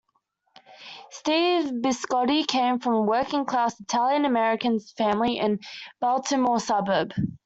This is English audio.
Steve Bisciotti came from a working-class Italian-American family in a Baltimore suburb.